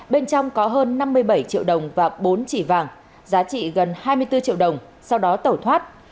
bên trong có hơn năm mươi bảy triệu đồng và bốn chỉ vàng giá trị gần hai mươi bốn triệu đồng sau đó tẩu thoát